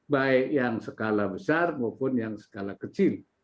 baik yang skala besar maupun yang skala kecil